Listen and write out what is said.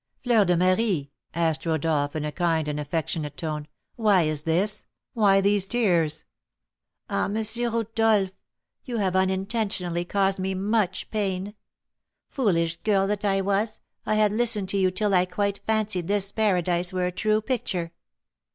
"Fleur de Marie," asked Rodolph, in a kind and affectionate tone, "why is this? Why these tears?" "Ah, M. Rodolph, you have unintentionally caused me much pain. Foolish girl that I was, I had listened to you till I quite fancied this paradise were a true picture."